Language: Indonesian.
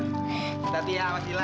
kita tiap wasilah